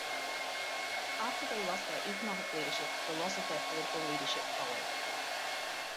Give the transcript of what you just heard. After they lost their economic leadership, the loss of their political leadership followed.